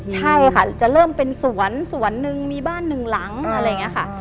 ใช่ค่ะจะเริ่มเป็นสวนสวนหนึ่งมีบ้านหนึ่งหลังอะไรอย่างนี้ค่ะ